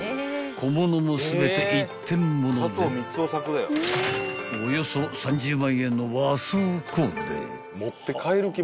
［小物も全て１点ものでおよそ３０万円の和装コーデ］